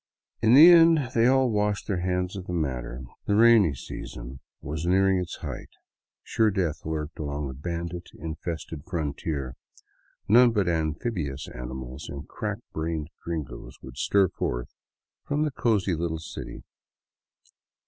In the end they all washed their hands of the matter. The rainy season was nearing its height ; sure death lurked along the bandit infested frontier ; none but amphibious animals and crack brained gringos would stir forLt» from the cozy little city.